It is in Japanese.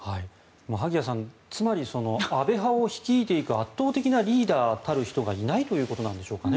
萩谷さん、つまり安倍派を率いていく圧倒的なリーダーたる人がいないということなんでしょうかね。